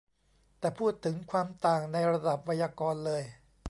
แต่พูดถึงความต่างในระดับไวยากรณ์เลย